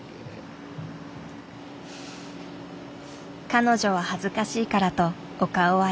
彼女は恥ずかしいからとお顔はＮＧ。